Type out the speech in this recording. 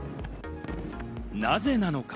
なぜなのか？